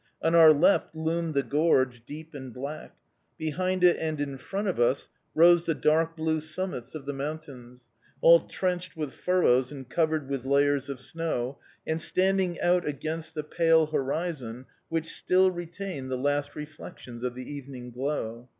On our left loomed the gorge, deep and black. Behind it and in front of us rose the dark blue summits of the mountains, all trenched with furrows and covered with layers of snow, and standing out against the pale horizon, which still retained the last reflections of the evening glow.